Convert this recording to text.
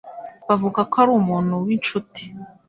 Bavuga ko ari umuntu winshuti.